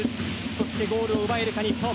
そしてゴールを奪えるか日本。